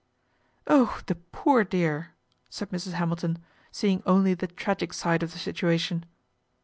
" Oh ! the poor dear," said Mrs. Hamilton, see ing only the tragic side of the situation.